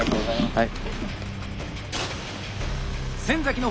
はい。